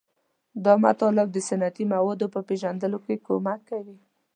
دا مطالب د صنعتي موادو په پیژندلو کې کومک کوي.